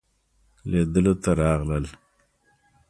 لیدلو ته راغلل.